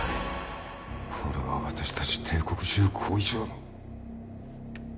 これは私たち帝国重工以上の。